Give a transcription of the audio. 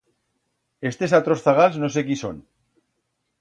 Estes atros zagals no sé quí son